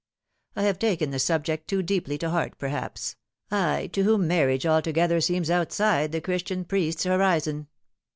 I have taken the subject too deeply to heart perhaps I, to whom marriage altogether seems outside the Christian priest's horizon.